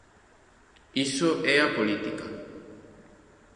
Iso é a política.